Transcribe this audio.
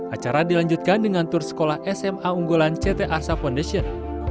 acara dilanjutkan dengan tur sekolah sma unggulan ct arsa foundation